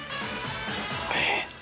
えっ？